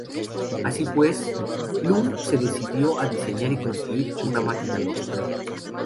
Así pues, Llull se dedicó a diseñar y construir una "máquina lógica.